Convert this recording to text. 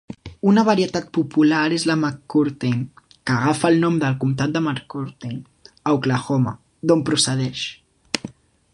Una varietat popular és la McCurtain, que agafa el nom del comtat de McCurtain, a Oklahoma, d'on procedeixen.